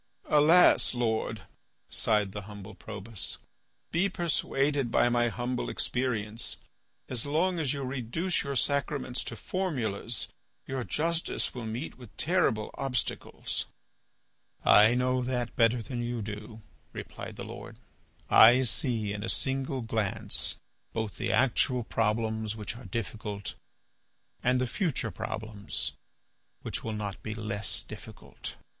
"Alas! Lord," sighed the humble Probus. "Be persuaded by my humble experience; as long as you reduce your sacraments to formulas your justice will meet with terrible obstacles." "I know that better than you do," replied the Lord. "I see in a single glance both the actual problems which are difficult, and the future problems which will not be less difficult.